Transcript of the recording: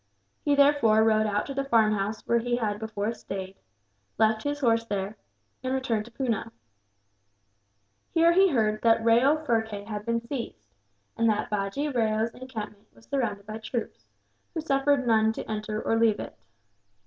He therefore rode out to the farmhouse where he had before stayed, left his horse there, and returned to Poona. Here he heard that Rao Phurkay had been seized, and that Bajee Rao's encampment was surrounded by troops, who suffered none to enter or leave it.